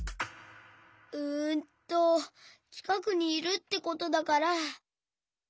うんとちかくにいるってことだから。